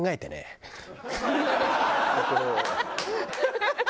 ハハハハ！